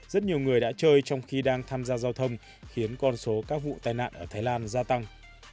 rất nhiều người đã chơi trong khi đang tham gia giao thông khiến con số các vụ tai nạn ở thái lan gia tăng